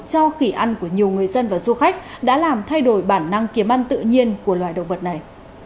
cho khỉ ăn của nhiều người dân và du khách đã làm thay đổi bản năng kiếm ăn tự nhiên của loài động vật này